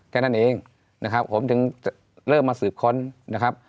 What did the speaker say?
แค่นั้นเองนะครับผมถึงเริ่มมาสืบค้นนะครับ